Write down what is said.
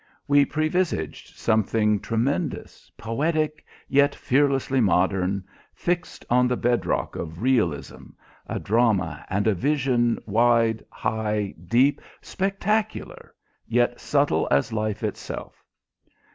We previsaged something tremendous, poetic yet fearlessly modern, fixed on the bedrock of realism, a drama and a vision wide, high, deep, spectacular yet subtle as life itself.